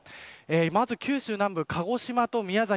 まず九州南部、鹿児島と宮崎